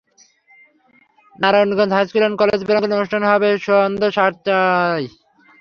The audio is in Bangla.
নারায়ণগঞ্জ হাইস্কুল অ্যান্ড কলেজ প্রাঙ্গণে অনুষ্ঠান শুরু হবে সন্ধ্যা সাড়ে সাতটায়।